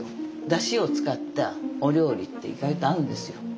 だしを使ったお料理って意外と合うんですよ。